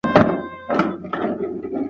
څنګه پراختیایي پروژه پر نورو هیوادونو اغیز کوي؟